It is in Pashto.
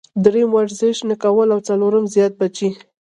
دريم ورزش نۀ کول او څلورم زيات بچي -